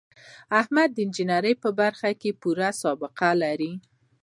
احمد د انجینرۍ په برخه کې پوره سابقه لري.